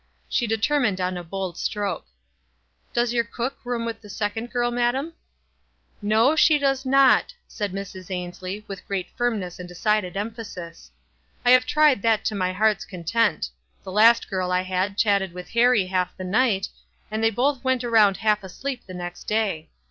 She de termined on a bold stroke. "Does your cook room with the second girl, madam ?" "No, she does not" said Mrs. Ainslie, with great firmness and decided emphasis. "I have tried that to my heart's content. The last girl I had chatted with Harrie half the night, and they both went around half asleep the next day.